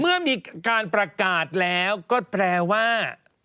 เมื่อมีการประกาศแล้วก็แปลว่า